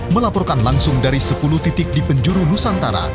melaporkan langsung dari sepuluh titik di penjuru nusantara